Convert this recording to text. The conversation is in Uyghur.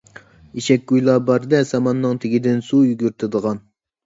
ئېشەك گۇيلا بار-دە، ساماننىڭ تېگىدىن سۇ يۈگۈرتىدىغان.